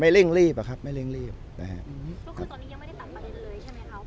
เร่งรีบอะครับไม่เร่งรีบนะฮะอืมก็คือตอนนี้ยังไม่ได้ตัดประเด็นเลยใช่ไหมคะ